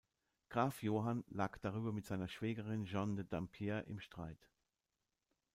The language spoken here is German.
Graf Johann lag darüber mit seiner Schwägerin Jeanne de Dampierre im Streit.